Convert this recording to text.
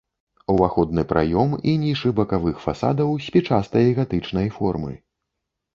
Уваходны праём і нішы бакавых фасадаў спічастай гатычнай формы.